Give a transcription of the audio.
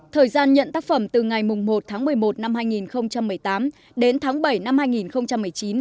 thời gian nhận tác phẩm từ ngày một tháng một mươi một năm hai nghìn một mươi tám đến tháng bảy năm hai nghìn một mươi chín